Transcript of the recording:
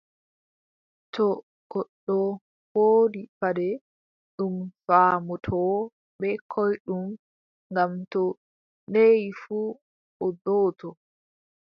To goɗɗo woodi paɗɗe, ɗum faamotoo bee koyɗum, ngam to neei fuu, o do"otoo,